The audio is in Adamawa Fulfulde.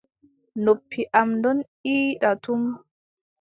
Noppi am don iida tum.